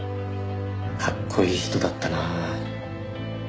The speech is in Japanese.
かっこいい人だったなあ。